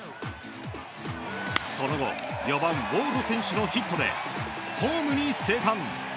その後４番ウォード選手のヒットでホームに生還。